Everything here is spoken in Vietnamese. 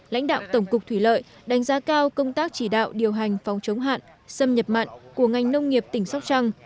lãnh đạo tổng cục thủy lợi đánh giá cao công tác chỉ đạo điều hành phòng chống hạn xâm nhập mặn của ngành nông nghiệp tỉnh sóc trăng